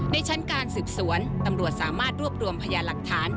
ในชั้นการสืบสวนตำรวจสามารถรวบรวมพยานหลักฐาน